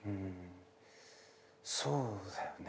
そうだよね。